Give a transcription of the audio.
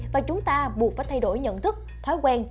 và chúng ta buộc phải thay đổi nhận thức thói quen